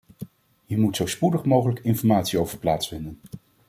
Hier moet zo spoedig mogelijk informatie over plaatsvinden.